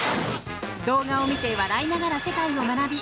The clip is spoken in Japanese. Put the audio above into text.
動画を見て笑いながら世界を学び